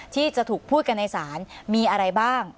ที่จะถูกพูดกันในศาลมีอะไรบ้าง